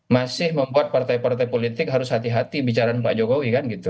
masih membuat partai partai politik harus hati hati bicara dengan pak jokowi kan gitu